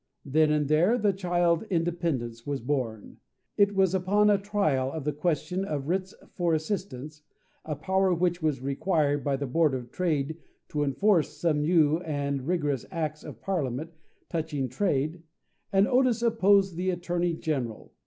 Then and there, the child Independence was born." It was upon a trial of the question of "Writs for Assistance," a power which was required by the Board of Trade to enforce some new and rigorous Acts of Parliament touching trade; and Otis opposed the Attorney General.